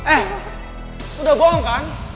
eh lo udah bohong kan